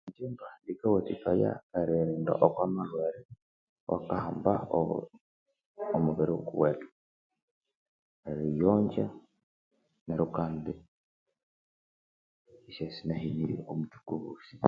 Bikawathikaya eriyirinda okwa malhwere awakahamba obu omubiri wukuwethu. Eriyiyonja neryo kandi isyabya isinahenirye obuthuku obosi.